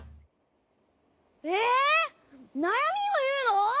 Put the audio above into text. えなやみをいうの？